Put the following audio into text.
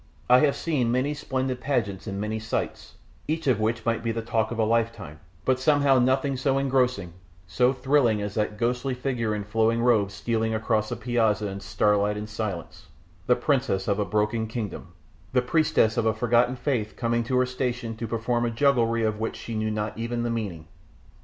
I have seen many splendid pageants and many sights, each of which might be the talk of a lifetime, but somehow nothing ever so engrossing, so thrilling, as that ghostly figure in flowing robes stealing across the piazza in starlight and silence the princess of a broken kingdom, the priestess of a forgotten faith coming to her station to perform a jugglery of which she knew not even the meaning.